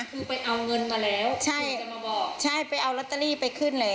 คือไปเอาเงินมาแล้วใช่จะมาบอกใช่ไปเอาลอตเตอรี่ไปขึ้นแล้ว